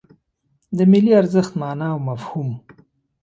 د ملي ارزښت مانا او مفهوم